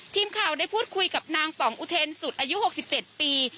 ทีมข่าวได้พูดคุยกับนางศอูเทรนสุดอายุหกสิบเจ็ดปี